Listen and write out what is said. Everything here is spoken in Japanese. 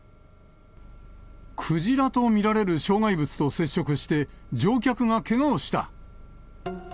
クジラと見られる障害物と接触して、乗客がけがをした。